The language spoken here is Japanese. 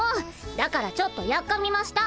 だからちょっとやっかみました。